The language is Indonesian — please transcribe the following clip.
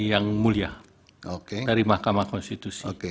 yang mulia dari mahkamah konstitusi